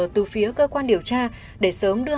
từ phía cơ quan điều tra để sớm đưa